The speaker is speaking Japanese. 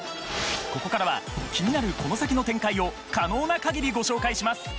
ここからは気になるこの先の展開を可能な限りご紹介します